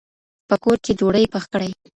په کور کې ډوډۍ پخ کړئ.